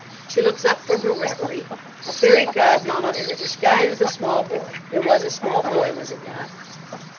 She looks up from her reverie: a fairy godmamma in the disguise of a small boy—it was a small boy, was it not?"